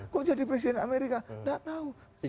kok jadi presiden amerika tidak tahu